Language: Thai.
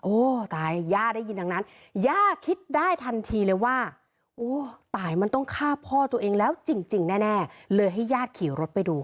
ตายย่าได้ยินดังนั้นย่าคิดได้ทันทีเลยว่าโอ้ตายมันต้องฆ่าพ่อตัวเองแล้วจริงแน่เลยให้ญาติขี่รถไปดู